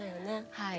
はい。